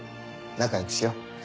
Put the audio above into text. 仲良くしよう。